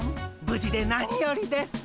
無事で何よりです。